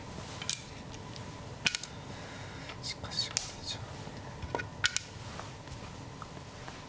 しかしこれじゃあ。